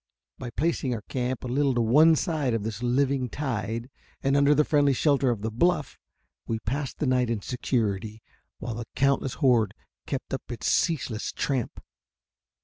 By placing our camp a little to one side of this living tide, and under the friendly shelter of the bluff, we passed the night in security, while the countless horde kept up its ceaseless tramp.